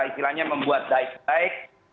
istilahnya membuat daik daik